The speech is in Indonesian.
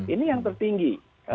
ini yang tertinggi